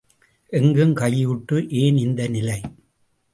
எங்கும் கையூட்டு ஏன், இந்த நிலை?